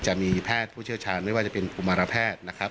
จะมีแพทย์ผู้เชี่ยวชาญไม่ว่าจะเป็นกุมารแพทย์นะครับ